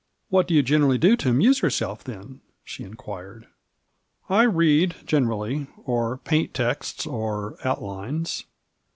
"What do you generally do to amuse yourself, then?" she inquired. " I read, generally, or paint texts or outlines.